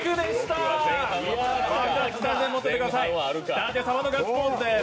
舘様のガッツポーズです。